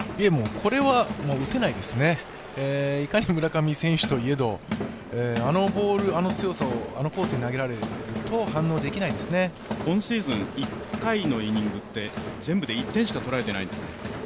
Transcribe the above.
これは打てないですね、いかに村上選手といえど、あのボール、あの強さをあのコースで投げられると今シーズン１回のイニングって全部で１点しか取られてないですね？